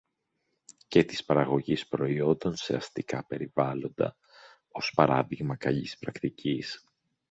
και της παραγωγής προϊόντων σε αστικά περιβάλλοντα, ως παράδειγμα καλής πρακτικής